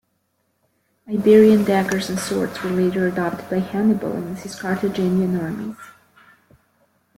Iberian daggers and swords were later adopted by Hannibal and his Carthaginian armies.